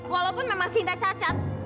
walaupun memang sinta cacat